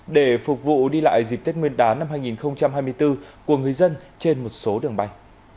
để phục vụ đi lại dịp tết nguyên đán năm hai nghìn hai mươi bốn của người dân trên một số đường bay